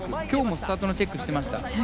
今日もスタートのチェックをしていました。